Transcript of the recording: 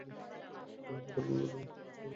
নবায়ন প্রকল্পের মাধ্যমে।